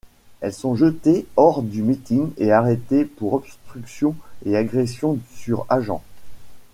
Elles sont jetées hors du meeting et arrêtées pour obstruction et agression sur agent.